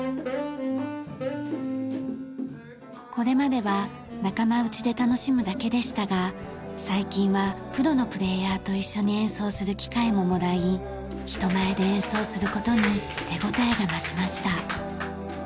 これまでは仲間内で楽しむだけでしたが最近はプロのプレーヤーと一緒に演奏する機会ももらい人前で演奏する事に手応えが増しました。